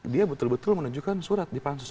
dia betul betul menunjukkan surat di pansus